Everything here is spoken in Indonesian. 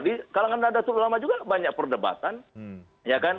di kalangan naduk tulama juga banyak perdebatan